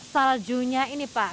saljunya ini pak